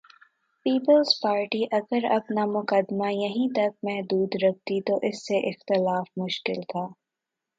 Peoples Party اگر اپنا مقدمہ یہیں تک محدود رکھتی تو اس سے اختلاف مشکل تھا۔